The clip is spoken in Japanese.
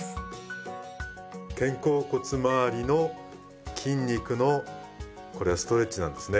肩甲骨周りの筋肉のこれはストレッチなんですね。